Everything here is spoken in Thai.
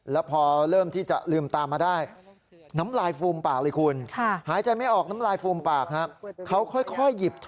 แล้วพอเริ่มที่จะลืมตามาได้